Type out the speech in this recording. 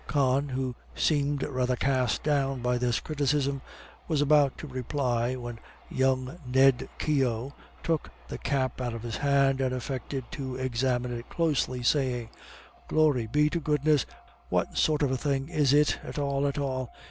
Con, who seemed rather cast down by this criticism, was about to reply, when young Ned Keogh took the cap out of his hand and affected to examine it closely, saying: "Glory be to goodness, what sort of thing is it at all at all?